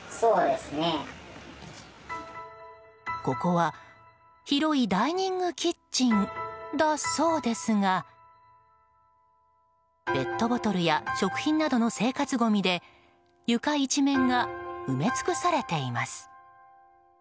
ここは広いダイニングキッチンだそうですがペットボトルや食品などの生活ごみで床一面が埋め尽くされています。